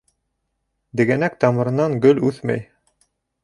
Дегәнәк тамырынан гөл үҫмәй.